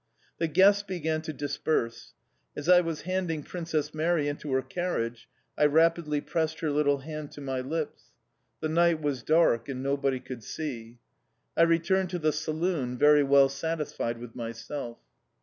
The guests began to disperse. As I was handing Princess Mary into her carriage, I rapidly pressed her little hand to my lips. The night was dark and nobody could see. I returned to the saloon very well satisfied with myself.